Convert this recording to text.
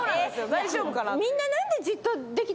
大丈夫かなって。